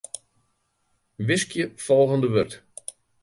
Wiskje folgjende wurd.